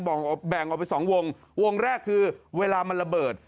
แบ่งออกไปสองวงวงแรกคือเวลามันระเบิด